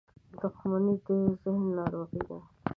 • دښمني د ذهن ناروغي ده.